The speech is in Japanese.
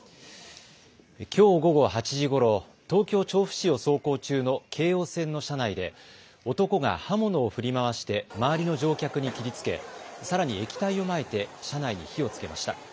きょう午後８時ごろ東京調布市を走行中の京王線の車内で男が刃物を振り回して周りの乗客に切りつけさらに液体をまいて車内に火をつけました。